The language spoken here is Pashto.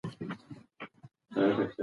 زه اوس د فوټبال لوبه په تلویزیون کې ګورم.